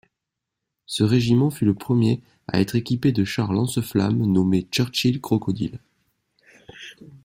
Ce régiment fut le premier à être équipé de chars lance-flammes nommés Churchill Crocodile.